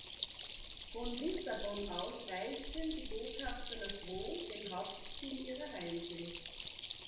Von Lissabon aus reisten die Botschafter nach Rom, dem Hauptziel ihrer Reise.